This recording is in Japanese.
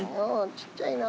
ちっちゃいな。